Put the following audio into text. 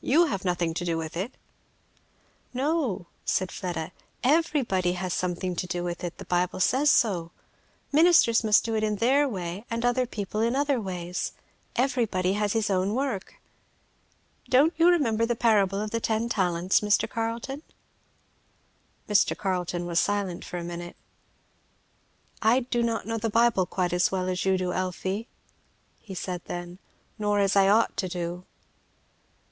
you have nothing to do with it?" "No," said Fleda, "everybody has something to do with it, the Bible says so; ministers must do it in their way and other people in other ways; everybody has his own work. Don't you remember the parable of the ten talents, Mr. Carleton?" Mr. Carleton was silent for a minute. "I do not know the Bible quite as well as you do, Elfie," he said then, "nor as I ought to do."